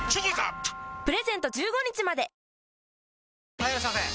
・はいいらっしゃいませ！